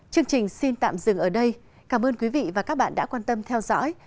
chương trình xin tạm dừng ở đây cảm ơn quý vị và các bạn đã quan tâm theo dõi